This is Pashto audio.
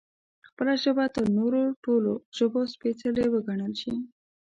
خپله ژبه تر نورو ټولو ژبو سپېڅلې وګڼل شي